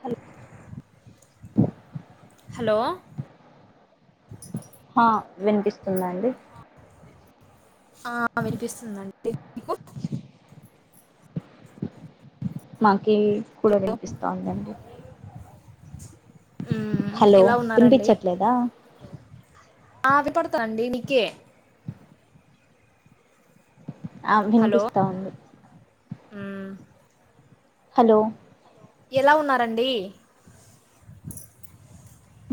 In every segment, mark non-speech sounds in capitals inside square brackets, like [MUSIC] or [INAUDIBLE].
హల్ hello ఆ వినిపిస్తుంద అండి ఆ వినిపిస్తుందిండి మీకు మా కి కూడా వినిపిస్తోందండి మ్మ్. హలో ఎలా ఉన్నారండి పినిపించట్లేదా ఆ వినపడతాండి నికే ఆ వినిపిస్తా ఉంది హుమ్ హలో ఎలా ఉన్నారండి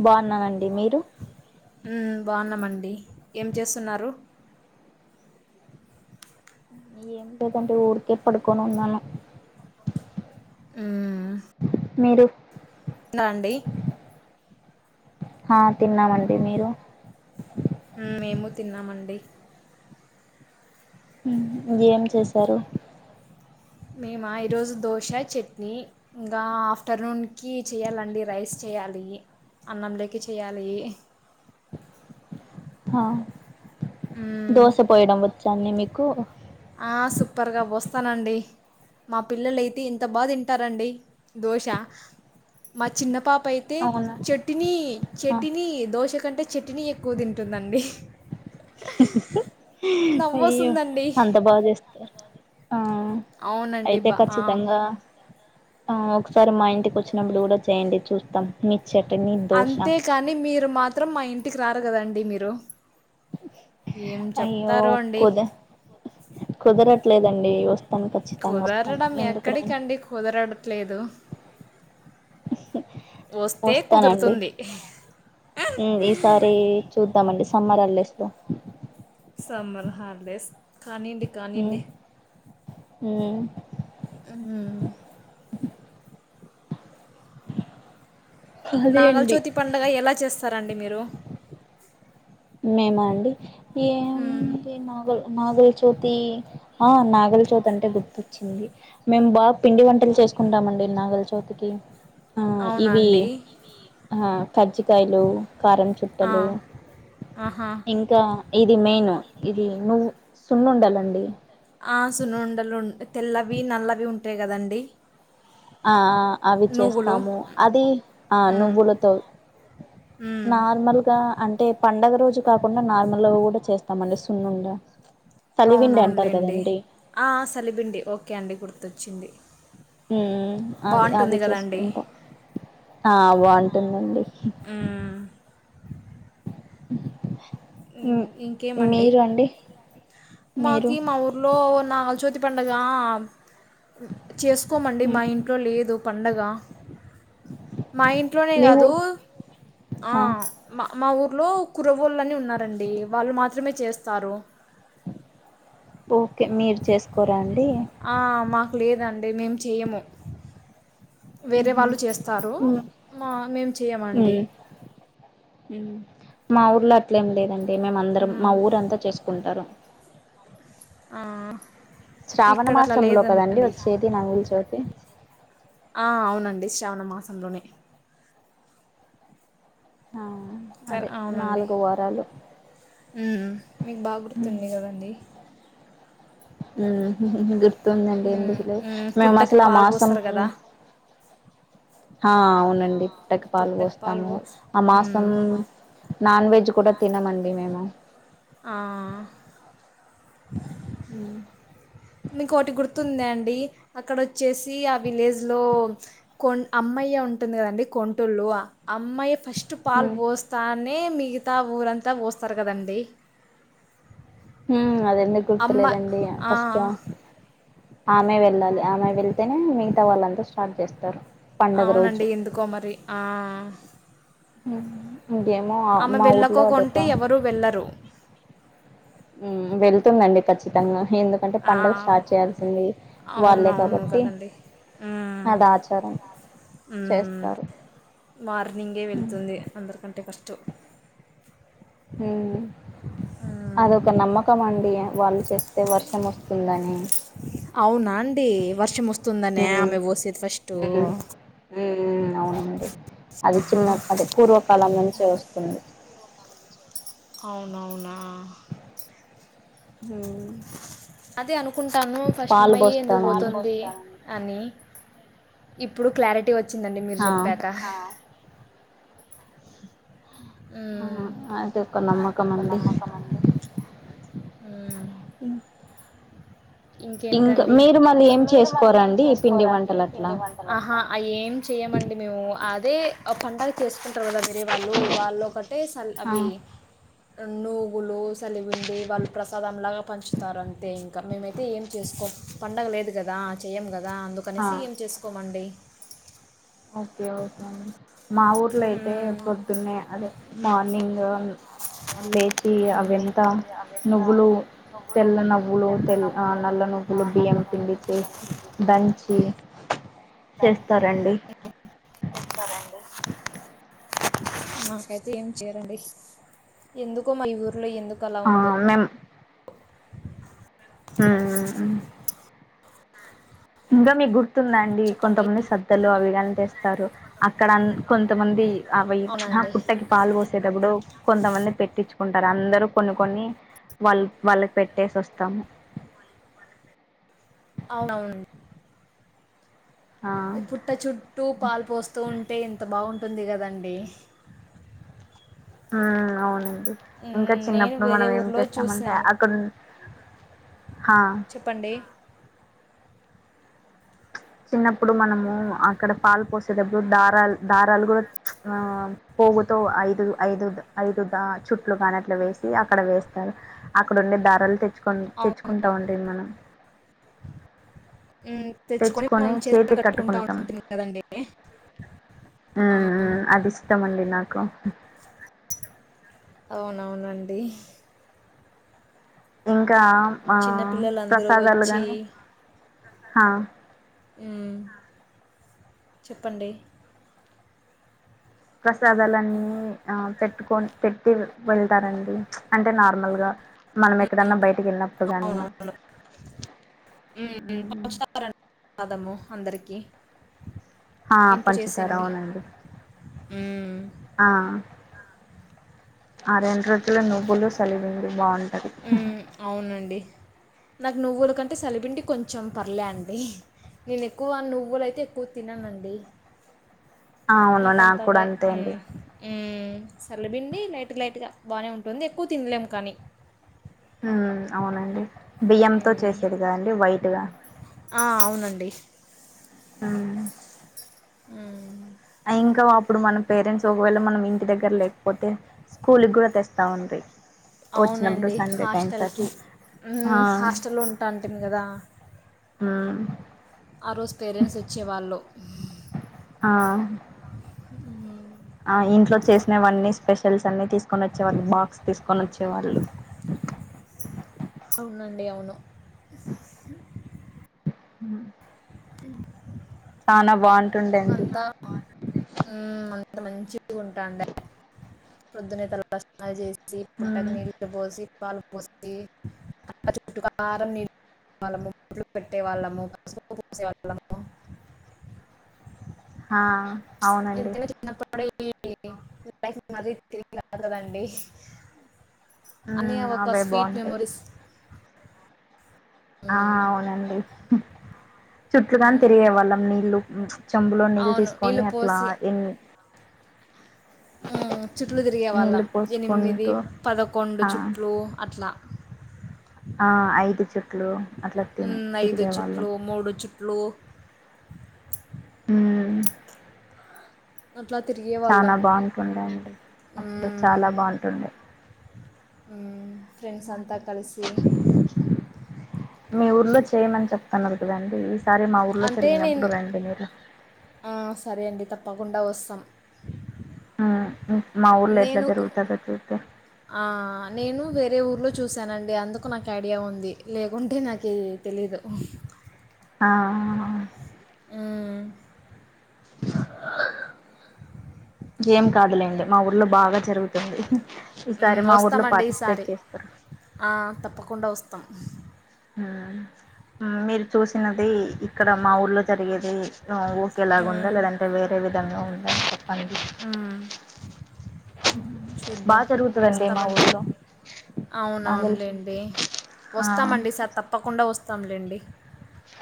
బాగున్నానండి మీరు హుమ్ బాగున్నామండి ఏం చేస్తున్నారు ఏం లేదండి ఊరికే పడుకొని ఉన్నాను హూ మ్ మీరు నా అండి ఆ తిన్నామండి మీరు హుమ్ మేము తిన్నామండి హు ఏం చేశారు మేమా ఈరోజు దోశ చట్నీ ఇంకా ఆఫ్టర్నూన్ చేయ్యాలండి రైస్ చేయాలి అన్నంలేకీ చేయాలి హా మ్మ్. దోశ పోయడం వచ్చా అండి మీక్ కు ఆ సూపర్గా పోస్తానండి మా పిల్లలు అయితే ఇంత బాగా తింటారండి దోశ మా చిన్న పాప్ అయితే అవునా చెట్టిని హా చెట్టిని దోష ఎందుకంటే చట్టునీ ఎక్కువ తింటుందండి నవ్వు అయ్యో వస్తుందండి అంత బా చేస్తారా ఆ అవునండి అయితే బా ఆ. ఖచ్చితంగా ఆ ఒకసారి మా ఇంటికి వచ్చినప్పుడు కూడా చేయండి చూస్తాం మీ చట్నీ దోశ అంతేకాని మీరు మాత్రం మా ఇంటికి రారు కదండి మీర్ రు అయ్యో అండి కుద కుదరట్ లేదండి వస్తాను ఖచ్చితంగా వస్తాను కుదరడం ఎందుకు రాను ఎక్కడికండి కుదరట్లేదు వస్తే వస్తానండి కుదురుతుంది హు ఈసారి చూద్దామండి సమ్మర్ హాలిడే రా సమ్మర్ హాలిడేస్ కానీడి కానీడి హ అ అదే అండి నాగలచోతి పంండగ ఎలా చేస్త సరే అండి మీరు మేమ అండి ఏ మ్మ్. మగలు నాగలచవితి ఆ నాగలచోతి అంటే గుర్తొచ్చింది మేము బాగా పిండి వంటలు చేసుకుంటామండి నాగలచౌతికి అవునా ఇవి అండి తజి కాయలు కారం ఆ. చుట్టలు ఆహా ఇంకా ఇది మెయిన్ ఇది నువ్వు సున్ను ఉండాలండి ఆ సునుండలు తెల్లవి నల్లవి ఉంటాయి కదండీ ఆ అవి చేస్తాము అది ఆ మ్మ్, నువ్వులతో మ్మ్. నార్మల్గా అంటే పండగ రోజు కాకుండా నార్మల్ కూడా చేస్తామండి సున్ను ఉండ అవునవునులేండి సలిబండి ఓకే అండి కుర్తు తొచ్చింది అవి అవి చేసుకుంటాం ఆ బాగుంటుందండి మ్మ్. ఉమ్ ఇంకేమండి మీరు అండి మీరు మాకి మా ఊర్లో నాలుగు చ్యోతి పండగ చేసుకోమండి మా ఇంట్లో లేదు పండగ ఇట్లో మీవు లో కురబోలుని ఉన్నారు టండి వాళ్ళు మాత్రమే చేస్తారు ఓకే మీరు చేసుకోరాండి ఆ మాకు లేదండి మేము చేయము వేరే ఉహు వాళ్ళు చేస్తారు ఉమ్ మా మేము చేయమండి ఉమ్ మా ఊర్లో అట్లేం లేదన్ అదే మేమందరం మా మ్మ్. ఊరంతా చేసుకుంటారు ఆ శ్రావణ ఇక్కడ అట్లా మాసంలో కదండి లేదండి వచ్చేది నగుల చవితి ఆ, అవునండి శ్రావణ మాసంలోనే ఆ సరే అదే అవునండి. నాలుగు వారాలు హు మీకు బాగా గుర్తుండే కదండడి. హుహు గు గుర్తుంది అండి మ్మ్, ఎందుకలే మ్మ్. మేము పుట్టకి అసలు ఆ పాలు మాసం పోస్తారు కదా ఆ అవునండి. [UNINTELLIGIBLE] పుట్టకి పాలు పోస్తాము ఆ మాసం నాన్ వెజ్ కూడా తినమండి మేము ఆ. హు మీకోటి గుర్తుంద అండి అక్కడ వచ్చేసి ఆ విలేజ్లో కొం అమ్మయ్య ఉంటుంది కదండడి కొంటూళ్ళు అమ్మయ్య ఫస్ట్ ఫస్ట్ పాల్ పోస్తానే మీ మిగితా ఊరంతా పోస్తారు కదండి. హు అదే ఎందుకు అమ్మ గుర్తులేదండి ఆ, ఫస్ట్ ఆమె వెళ్ళాలి. ఆమె వెళ్తేనే మిగతావాలంత స్టార్ట్ చేస్తారు. పండగ రోజు అవునండి ఎందుకో మరి ఆ హు ఆమె వెళ్ళకో కొంటే ఎవరూ వెళ్ళరు. హు వెళ్తుందండి ఖచ్చితంగా ఎందుకంటే ఆ పండుగ స్టార్ట్ చేయాల్సింది అవున వాళ్ళే అవును కాబట్టి కదండీ అది ఆచారం హుహు చేస్తారు మార్నింగే వెళ్తుంది. అందరికంటే ఫస్ట్ త్త [UNINTELLIGIBLE] హు అది ఉమ్. ఒక నమ్మకం మండి వాళ్ళు చేస్తే వర్షం వస్తుందని అవునా అండి వర్షం వస్తు హు హు హు అవునండి అది ఆహా చిన్న అది పూర్వకాలం నుంచే వస్తుంది. అవునవునా ఉమ్ అదే అనుకుంటాను ఫస్ట్ పాలు అమ్మయ్యే ఎందుకు పోస్తామండి పోతుంది అని ఇప్పుడు క్లారిటీ వచ్చి వచ్చిందండి మీరు ఆ చెప్పాక హు ఆ అది ఒక నమ్మకం అదొక అండి నమ్మకం ఊ అ ఇంకేంటండి ఇంకా ఏం మీరు మళ్ళీ ఏం చేసుకోరండి పిండి చేసుకోరండి వంటలు అట్లా పిండి వంట ఆహా ఏం చేయ్యమండి మేము అది ర అ ఫడా చేసు కుంటారు తరి వాళ్ళు వాళ్ ఒకటే స ఆ అవి నువ్లు సలిపిండి వాళ్ళు ప్రసాదంలాగా పంచుతారు అంతే ఇంకా మేమైతే అయితే ఏం చేసుకో పండగ లేదు కదా చెయ్యము కదా కదా అందుకనేసి ఆ ఏం చేసుకోమండి ఓకే ఓకే అండి మా ఊర్లో అయితే మ్మ్ పొద్దున్న అదే మార్నింగ్ లేచి అవి మ్మ్ ఎంత నువ్వులు తెల్లనవ్వులు తెల్ నల్ల నువ్వులు బియ్యం పిండి చేసి దంచి చేస్తారండి చెారండి నాకైతే ఏం చేయరండి ఎందుకో మా ఊరు అట్లో ఎందుకు అలా ఆ ఉందో ఆ ఇంకా మీ గుతు స్తుందండి చెప్పండి కొంతమంది స్రద్దలు అవిగానీ తెస్తారు అక్కడ కొంతమంది అవి ప్చ్ హ అవునండి పుట్టకి పాలు పోసేటప్పుడు కొంతమంది పెట్టించుకుంటా అందరూ కొన్ని కొన్ని వాళ్ళు వాళ్ళకి పెట్టేసి వస్తాము అవునవును ఆ పుట్ట చుట్టూ పాలు పోస్తూ ఉంటే ఎంత బాగుం ఉంటుంది కదండి ఊ అవును ఇంక మ్మ్, నేను చిన్నప్పుడు వేరే మనం ఏం ఊర్లో చేస్తామంటే చూశాను అక్కడ ఉన్ హ చెప్పండి చిన్నప్పుడు మనము అక్కడ పాలు పోసేటప్పుడు దారాలు దారాలు కూడా ఊ పోగుతో ఐదు ఐదు ఐదు ద చుట్లు కాని అట్ల వేసి అక్కడ వేస్తారు అక్కడ ఉండే దారాలు తెచ్చుకు తె అవును తెచ్చుకుంటా ఉండేది మనం హుమ్ తెచ్చుకొని మనం చీరకి చేతికి కట్టుకుంటా కట్టుకుంటాం ఉండేది కదండి ఆ ఉమ్ ఉమ్ అది ఇష్టం అండి నాకు అవునవునండి ఇంకా ఆ చిన్నపిల్లలందరూ ప్రసాదాలు వచ్చి గానీ హా ఊ చెప్పండి ప్రసాదాలన్నీ ఆ పెట్టుకొని పెట్టి వెళ్తరండి అంటే నార్మల్గా మనం ఎక్కడన్నా బయటకి వెళ్ళినప్పుడు కానీ అవునవును మ్మ్, పంచుతారండి ప్రసాదము అందరికీ ఆ ఇంట్లో పంచుతరు చేసింది అవునండి మ్మ్. ఆ ఆ రెండు రోజులు నువ్వులు సలివిడులు బాగుంటది ఉమ్ అవునండి నాకు నువ్వుల కంటే సలిబిండి కొంచెం పర్లే అండి నేను ఎక్కువ నువ్వులయితే ఎక్కువ తిననండి ఆ అవును నాకు కూడా నాకంతగె అంతే అండి ఉమ్ ఊ సల్లిబిండి లైట్ లైట్గా బాగనే ఉంటుంది ఎక్కువ తినలేము కానీ ఉమ్ అవునండి బియ్యంతొ హ్మ్. చేసేది గదండి వైట్గా ఆ! అవునండి. ఊ ఊహ్ ఆ ఇంక అప్పుడు మన పేరెంట్స్ ఒకవేళ మనం ఇంటి దగ్గర్లేకపోతే స్కూల్ గూడా తెస్తావుంది అవునండి హాస్టల్ కి ఆ ఉమ్ హాస్టల్ లో ఉంటాంటిమి కదా ఊహ్ ఆ రోజ్ పేరెంట్స్ వచ్చే వాళ్ళు ఆహ్ ఆ ఇంట్లో చేసినవన్నీ స్పెషల్స్ అన్నీ తీసుకొని వచ్చేవాళ్ళు బాక్స్ తీసుకొని వచ్చేవాళ్ళు అవునండి అవును హుమ్ ఇ న బాన్ అంతా ఉమ్ అంత మంచి ఉంటాండె పొద్దునయితె చేసి జీ పుట్టక్ నీల్ బోసి పాలు పోసి అ చుట్టు కారం నీళ్ముట్లు పెట్టే వాళ్ళ ముసుపు పూసేవాళ్ళము హా అవునండి అప్పుడు ఈ మరి తిరిగినార్ కదండి అన్యయ్య మ్ ఒక అవే స్వీట్ బాగుంటాయి మెమొరీస్ ఆ అవునండి చుట్లు గని తిరిగే వాళ్ళం నీళ్ళు చెంబులో నీళ్ళు తీసుకొని అట్లా ఎ ఉమ్చుట్లు తిరిగేవాళ్ళం నీళ్ళు ఎనిమిది పోసుకుంటూ పదకొండు ఆ చుట్లు అట్లా ఆ ఐదు చుట్ట పలో ఐదు చెుట్లు మూడు చెుట్లు ఉమ్ అట్లా తిరిగే చాల వాళ్ళం బాంటుండే అండి అప్పుడు చాలా బాగుంటుండే ఉమ్ ఫ్రెండ్స్ అంతా కలిసి మీ ఊర్లో చేయమని చెప్తున్నారు కదండి సరే మా ఊర్లో అంటే నేను జరిగినప్పుడు రండి మీరు సరే అండి తప్పకుండా వస్తాం ఆ మా ఊర్లో ఎట్లా నేను జరుగుత క జరుత అలు చూశానండి అందుకు నాకు ఐడియా ఉంది లేకుంటే నాకు తెలీదు ఆ ఏం కాదులేండి మా ఊర్లో బాగా జరుగుతుంది ఈసారి మా ఊర్లో వస్తామండి పార్టిసిపేట్ ఈసారి చేస్తారు తప్పకుండా వస్తా మొత్తం మీరు చూసినది ఇక్కడ మా ఊర్లో జరిగేది ఓకేలాగా ఉందా లేదంటే వేరే విధంగా ఉందాని చెప్పండి చూద్దాం బాగా జరుగుతుందండి మా వస్తామండి ఊర్లో నాకు అవునవునులేండి తెలిసి ఆ వస్తామండి సార్ తప్పకుండా వస్తా తమ్లండి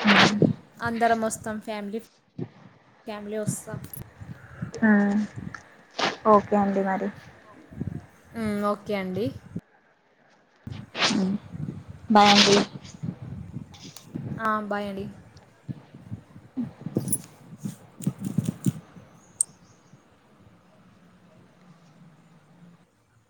ఉహ్ హ్మ్ అందరం వస్తాం ఫ్యామిలీ ఫ్యామిలీ వస్తా మ్ ఓకే అడి మరి ఓకే అండి బయండి ఆ బాయ్ అండి